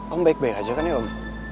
om baik baik aja kan ya om